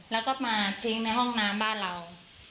แล้วก็มาทิ้งในห้องน้ำบ้านเรา